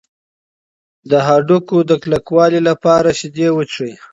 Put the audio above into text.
د هډوکو د کلکوالي لپاره شیدې وڅښئ.